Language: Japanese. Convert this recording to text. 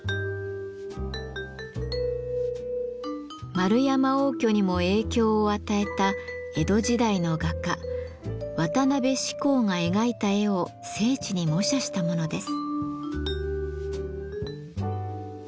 円山応挙にも影響を与えた江戸時代の画家渡辺始興が描いた絵を精緻に模写したものです。